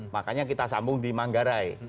makanya kita sambung di manggarai